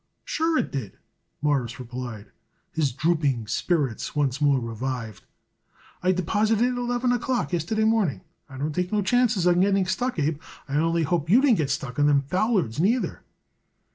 "Sure it did," Morris replied, his drooping spirits once more revived. "I deposited it at eleven o'clock yesterday morning. I don't take no chances on getting stuck, Abe, and I only hope you didn't get stuck on them foulards, neither."